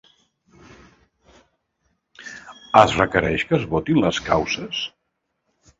Es requereix que es votin les causes?